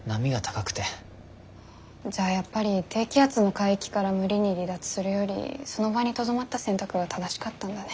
じゃあやっぱり低気圧の海域から無理に離脱するよりその場にとどまった選択は正しかったんだね。